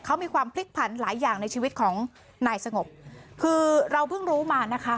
เขามีความพลิกผันหลายอย่างในชีวิตของนายสงบคือเราเพิ่งรู้มานะคะ